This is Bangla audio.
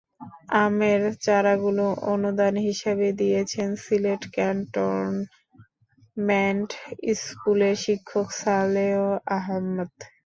আমের চারাগুলো অনুদান হিসেবে দিয়েছেন সিলেট ক্যান্টনমেন্ট স্কুলের শিক্ষক সালেহ আহমদ।